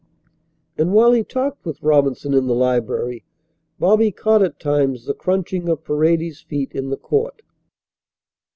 And while he talked with Robinson in the library Bobby caught at times the crunching of Paredes's feet in the court.